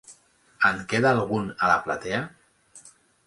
En queda algun a la platea?